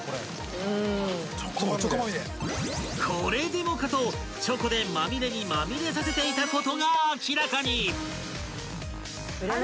［これでもかとチョコでまみれにまみれさせていたことが明らかに］